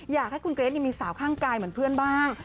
อยากให้คุณเกรทมีสาวข้างกายเหมือนเพื่อนบ้าง